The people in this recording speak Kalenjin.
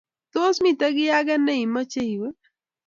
tos mito kiy age ne imeche i we?